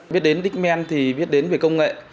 ví dụ như dickman thì viết đến về công nghệ